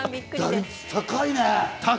高いね。